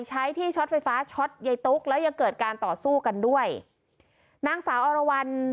ใช้ที่ช็อตไฟฟ้าช็อตยายตุ๊กแล้วยังเกิดการต่อสู้กันด้วยนางสาวอรวรรณ